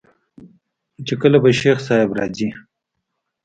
چې کله به شيخ صاحب راځي.